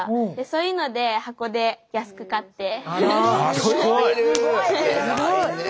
そういうので箱で安く買って。